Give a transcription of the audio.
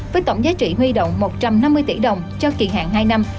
với tổng giá trị huy động một trăm năm mươi tỷ đồng cho kỳ hạn hai năm